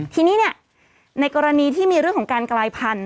ทีนี้ในกรณีที่มีเรื่องของการกลายพันธุ